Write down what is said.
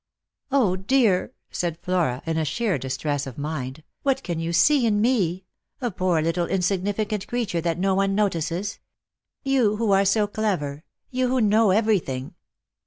" 0, dear," said Flora, in sheer distress of mind, " what can you see in me — a poor little insignificant creature that no one notices ? You who are so clever — you who know every thing."